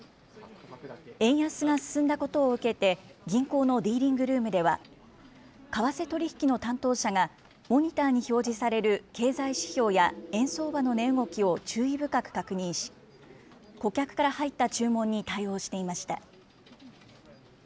円安が進んだことを受けて、銀行のディーリングルームでは、為替取り引きの担当者が、モニターに表示される経済指標や円相場の値動きを注意深く確認し、顧客から入った注文に対応していました。